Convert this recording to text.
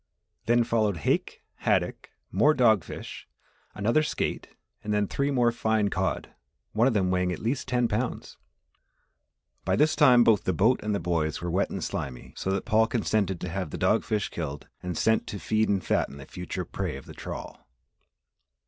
Then followed hake, haddock, more dog fish, another skate, and then three more fine cod one of them weighing at least ten pounds. By this time both the boat and the boys were wet and slimy so that Paul consented to have the dog fish killed and sent to feed and fatten the future prey of the trawl.